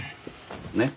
ねっ？